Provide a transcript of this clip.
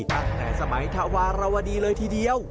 ตั้งแต่สมัยธวารวดีเลยทีเดียว